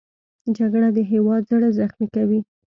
جګړه د هېواد زړه زخمي کوي